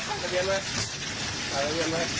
ถ่ายคันเกียร์เลย